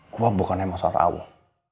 gue bukan emas orang awam